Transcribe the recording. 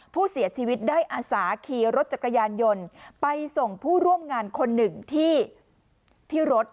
ผู้เสียชีวิตได้อาสาขี่รถจักรยานยนต์ไปส่งผู้ร่วมงานคนหนึ่งที่รถ